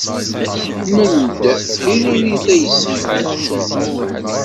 Mel-d tiririt ay iṣeḥḥan.